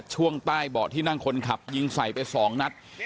ช่วงใต้เบาะที่นั่งคนขับยิงใส่ไป๒นัด